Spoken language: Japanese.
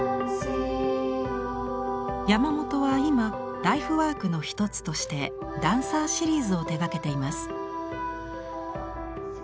山本は今ライフワークの一つとしてダンサーシリーズを手がけています。